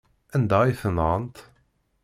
Anda ay ten-nɣant?